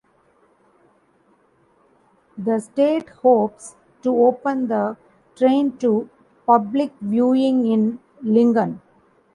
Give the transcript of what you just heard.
The state hopes to open the train to public viewing in Lincoln.